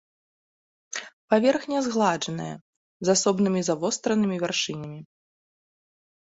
Паверхня згладжаная, з асобнымі завостранымі вяршынямі.